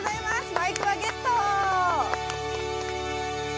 マイクワゲット。